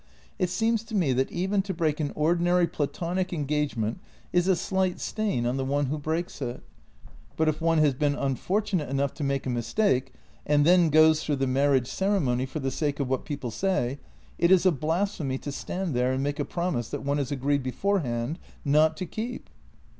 It seems to me that even to break an ordinary platonic engagement is a slight stain on the one who breaks it. But if one has been unfortunate enough to make a mistake, and then goes through the marriage ceremony for the sake of what peo ple say, it is a blasphemy to stand there and make a promise that one has agreed beforehand not to keep."